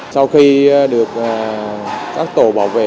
sau khi được các tổ bảo vệ